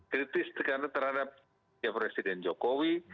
kritis terhadap presiden jokowi